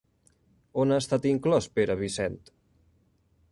On ha estat inclòs Pere Vicent?